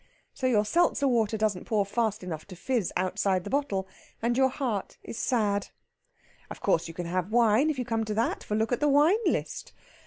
So your Seltzer water doesn't pour fast enough to fizz outside the bottle, and your heart is sad. Of course, you can have wine, if you come to that, for look at the wine list!